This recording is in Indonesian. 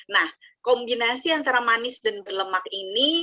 nah kombinasi antara manis dan berlemak ini